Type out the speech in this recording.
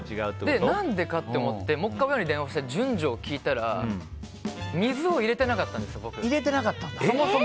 何でかって思ってもう１回親に電話して順序を聞いたら水を入れてなかったんです、僕。